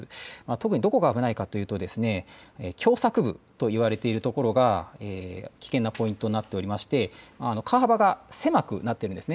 特にどこが危ないかというと狭さく部と呼ばれている所が危険なポイントとなっておりまして川幅が狭くなっています。